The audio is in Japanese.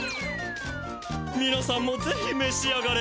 みなさんもぜひめし上がれ。